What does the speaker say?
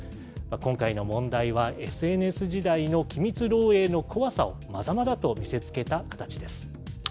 今回の問題はＳＮＳ時代の機密漏えいの怖さをまざまざと見せつけた形です。